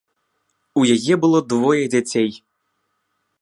У яе было двое дзяцей.